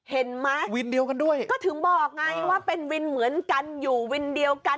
เห็นมั้ยก็ถึงบอกไงว่าเป็นวินเหมือนกันอยู่วินเดียวกัน